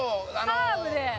カーブで。